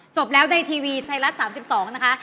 จบแล้วในทีวีไทยรัฐ๓๒นะคะ